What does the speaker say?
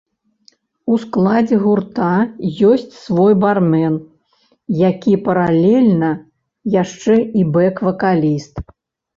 У складзе гурта ёсць свой бармен, які паралельна яшчэ і бэк-вакаліст!